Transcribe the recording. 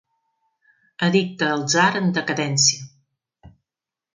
Edicte del tsar en decadència.